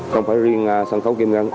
không phải riêng sân khấu kim ngân